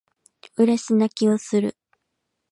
嬉し泣きをする